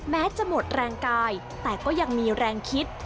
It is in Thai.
แม้จะหมดแรงกายแต่ก็ยังมีแรงคิด